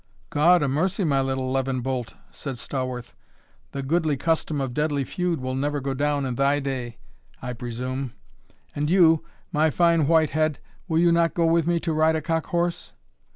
"God a mercy, my little levin bolt," said Stawarth, "the goodly custom of deadly feud will never go down in thy day, I presume. And you, my fine white head, will you not go with me, to ride a cock horse?"